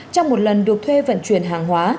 trong một lần được thuê vận chuyển hàng hóa